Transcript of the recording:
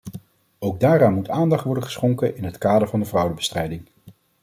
Ook daaraan moet aandacht worden geschonken in het kader van de fraudebestrijding.